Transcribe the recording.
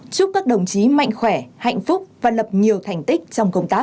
chúc các đồng chí mạnh khỏe hạnh phúc và lập nhiều thành tích trong công tác